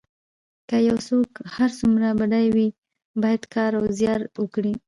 که یو څوک هر څومره بډای وي باید کار او زیار وکړي.